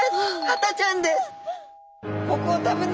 ハタちゃんです。